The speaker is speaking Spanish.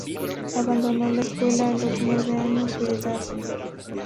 Abandonó la escuela a los nueve años de edad.